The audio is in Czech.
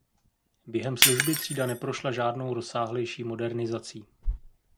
Během služby třída neprošla žádnou rozsáhlejší modernizací.